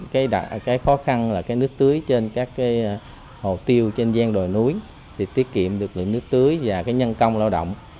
cái khó khăn là cái nước tưới trên các cái hồ tiêu trên giang đồi núi thì tiết kiệm được lượng nước tưới và cái nhân công lao động